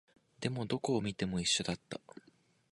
でも、どこを見ても一緒だった